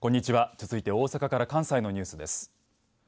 続いて大阪から関西のニュースです。